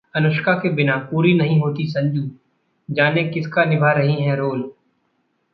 अनुष्का के बिना पूरी नहीं होती 'संजू', जानें किसका निभा रही हैं रोल